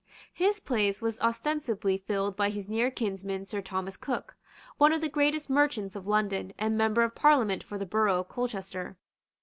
His place was ostensibly filled by his near kinsman Sir Thomas Cook, one of the greatest merchants of London, and Member of Parliament for the borough of Colchester.